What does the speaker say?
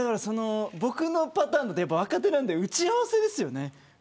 僕のパターンだと若手なので打ち合わせですよね。